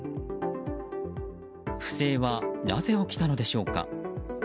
不正は、なぜ起きたのでしょうか。